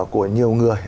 của nhiều người